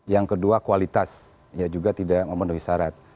yang kedua kualitas ya juga tidak memenuhi syarat